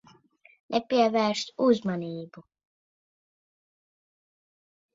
Nepievērs uzmanību.